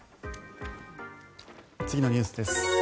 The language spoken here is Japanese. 次のニュースです。